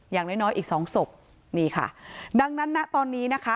อย่างน้อยน้อยอีกสองศพนี่ค่ะดังนั้นนะตอนนี้นะคะ